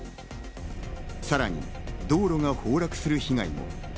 さらに道路が崩落する被害も。